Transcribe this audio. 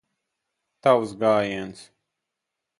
Tavs gājiens.